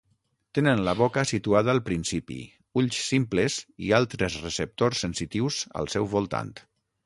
Tenen la boca situada al principi, ulls simples i altres receptors sensitius al seu voltant.